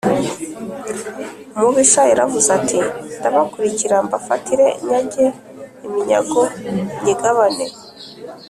“umubisha yaravuze ati ‘ndabakurikira mbafatīre, nyage iminyago nyigabane,